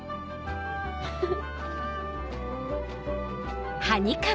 フフフ。